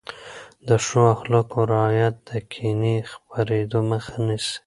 د ښو اخلاقو رعایت د کینې د خپرېدو مخه نیسي.